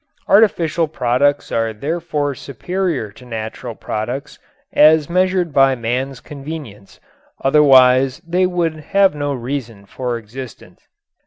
Artificial products are therefore superior to natural products as measured by man's convenience, otherwise they would have no reason for existence.